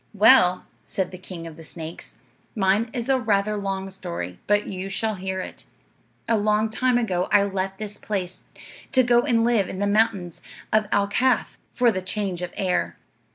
"Well," said the king of the snakes, "mine is rather a long story, but you shall hear it. A long time ago I left this place, to go and live in the mountains of Al Kaaf', for the change of air.